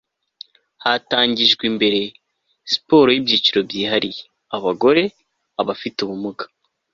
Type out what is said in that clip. hatejwe imbere siporo y'ibyiciro byihariye (abagore, abafite ubumuga